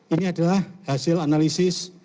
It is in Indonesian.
ini adalah hasil analisis